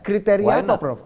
kriteria apa prof